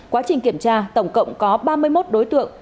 quá trình kiểm tra tổng cộng có ba mươi một đối tượng